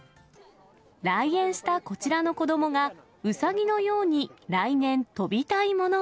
来園したこちらの子どもが、うさぎのように来年、跳びたいものは。